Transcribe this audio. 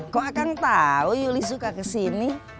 kok kang tahu yuli suka ke sini